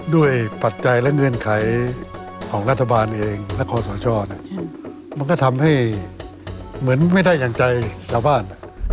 ปัจจัยและเงื่อนไขของรัฐบาลเองและคอสชมันก็ทำให้เหมือนไม่ได้อย่างใจชาวบ้าน